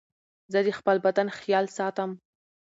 زه د خپل بدن خيال ساتم.